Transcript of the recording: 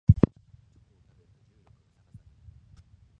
チョコを食べると重力が逆さになる